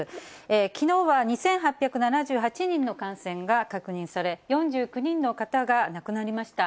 きのうは２８７８人の感染が確認され、４９人の方が亡くなりました。